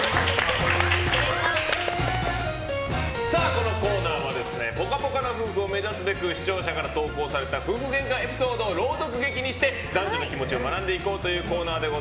このコーナーはぽかぽかな夫婦を目指すべく視聴者から投稿された夫婦ゲンカエピソードを朗読劇にして男女の気持ちを学んでいこうというコーナーです。